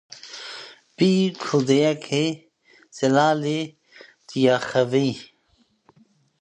Bi kurdiyeke zelal diaxive.